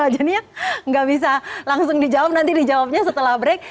jadi ya tidak bisa langsung dijawab nanti dijawabnya setelah break